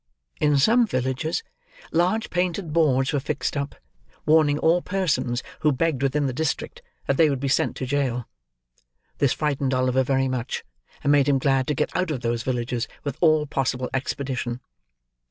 In some villages, large painted boards were fixed up: warning all persons who begged within the district, that they would be sent to jail. This frightened Oliver very much, and made him glad to get out of those villages with all possible expedition.